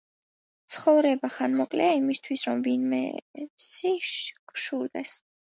ცხოვრება ხანმოკლეა იმისთვის, რომ ვინმესი გშურდეს.